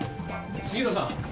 杉浦さん。